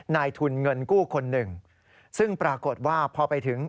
นายทุนเงินกู้คนหนึ่งซึ่งปรากฏว่าพอไปถึง